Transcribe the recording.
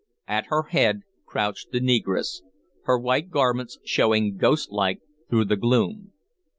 At her head crouched the negress, her white garments showing ghostlike through the gloom.